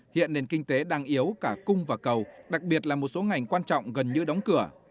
hiện nền kinh tế đang yếu cả cung và cầu đặc biệt là một số ngành quan trọng gần như đóng cửa